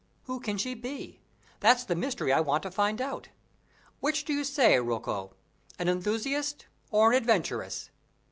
Who can she be? That's the mystery I want to find out. Which do you say, Rocco an enthusiast or an adventuress?"